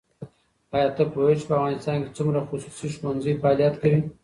ایا ته پوهېږې چې په افغانستان کې څومره خصوصي ښوونځي فعالیت کوي؟